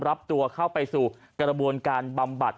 รับตัวเข้าไปสู่กระบวนการบำบัด